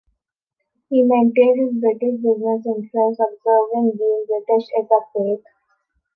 He maintained his British business interests, observing Being British is a faith.